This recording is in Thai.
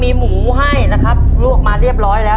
มีหมูให้นะครับลวกมาเรียบร้อยแล้ว